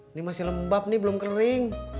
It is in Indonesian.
ini masih lembab nih belum kering